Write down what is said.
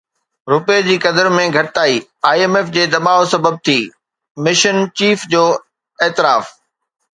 رپئي جي قدر ۾ گهٽتائي آءِ ايم ايف جي دٻاءُ سبب ٿي، مشن چيف جو اعتراف